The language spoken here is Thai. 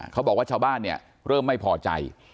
เขาบอกว่าชาวบ้านเริ่มไม่พอใจ